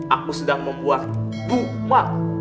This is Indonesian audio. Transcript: aku sedang membuat bukmak